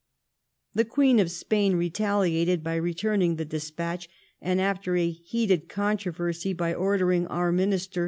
'' The Queen of Spain retaliated by return ing the despatch, and, after a heated controversy, by ordering our minister.